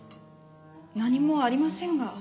何もありませんが。